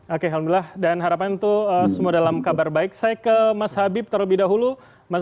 oke alhamdulillah dan harapan untuk semua dalam kabar baik saya ke mas habib terlebih dahulu mas